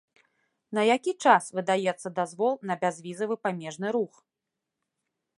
На які час выдаецца дазвол на бязвізавы памежны рух?